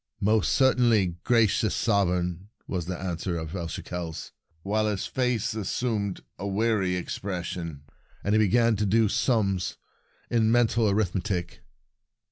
"Most certainly, gracious sovereign," was the answer of El Shekels, while his face as sumed a weary expression, and he began to do sums in mental arithmetic.